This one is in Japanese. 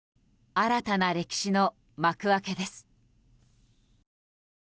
新たな歴史の幕開けです。